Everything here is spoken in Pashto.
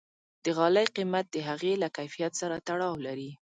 د غالۍ قیمت د هغې له کیفیت سره تړاو لري.